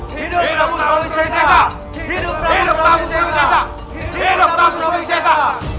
hidup rampus ropi sessa